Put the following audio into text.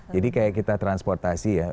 jadi kayak kita transportasi ya